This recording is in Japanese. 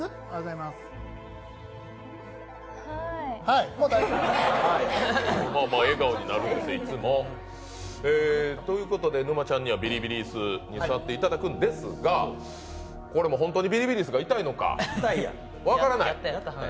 いつも笑顔になるんですけど、ということで沼ちゃんにはビリビリ椅子に座っていただくんですが、これも本当にビリビリ椅子が痛いのか分からない。